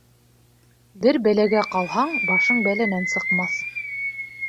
Бер бәләгә ҡалһаң, башың бәләнән сыҡмаҫ.